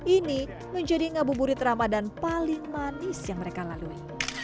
ini menjadi ngabuburit ramadan paling manis yang mereka lalui